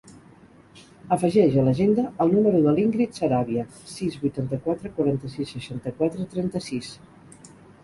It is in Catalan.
Afegeix a l'agenda el número de l'Íngrid Saravia: sis, vuitanta-quatre, quaranta-sis, seixanta-quatre, trenta-sis.